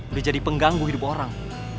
ini jadi pengganggu hidup orang